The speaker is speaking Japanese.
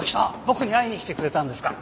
僕に会いに来てくれたんですか？